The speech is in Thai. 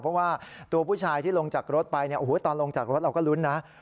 เพราะว่าตัวผู้ชายที่ลงจากรถไปเนี่ยโอ้โหตอนลงจากรถเราก็ลุ้นนะ